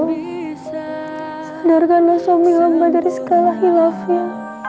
sadarkanlah suami amba dari segala hilafnya